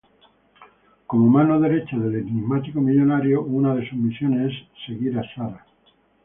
Como mano derecha del enigmático millonario, una de sus misiones es seguir a Sara.